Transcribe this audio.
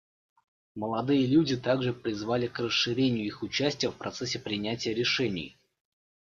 Молодые люди также призвали к расширению их участия в процессе принятия решений.